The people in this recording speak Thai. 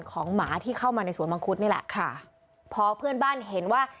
หมาที่เข้ามาในสวนมังคุดนี่แหละค่ะพอเพื่อนบ้านเห็นว่า